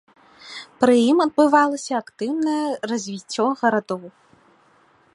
Пры ім адбывалася актыўнае развіццё гарадоў.